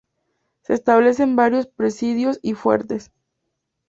Se establecen varios presidios y fuertes.